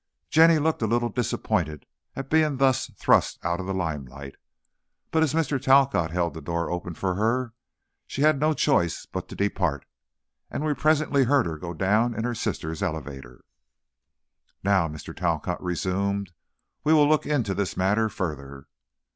Jenny looked a little disappointed at being thus thrust out of the limelight, but as Mr. Talcott held the door open for her, she had no choice but to depart, and we presently heard her go down in her sister's elevator. "Now," Mr. Talcott resumed, "we will look into this matter further.